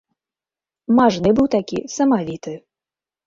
Мажны быў такі, самавіты.